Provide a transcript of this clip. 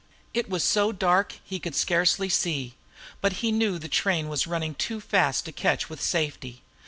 It was so dark he could scarcely see, but he knew the train was running too fast to catch with safety.